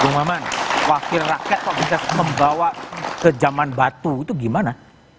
bung maman wakil rakyat kok bisa membawa ke zaman batu itu gimana